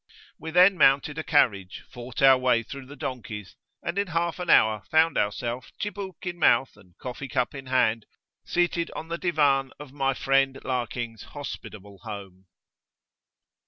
We then mounted a carriage, fought our way through the donkeys, and in half an hour found ourselves, chibuk in mouth and coffee cup in hand, seated on the diwan of my friend Larking's hospitable home.